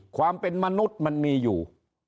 ความเป็นมนุษย์มันมีอยู่